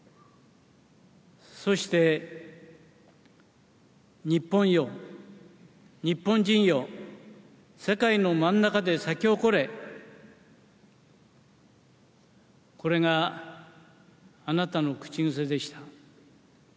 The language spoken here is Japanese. そして、日本よ、日本人よ、世界の真ん中で咲き誇れ、これがあなたの口癖でした。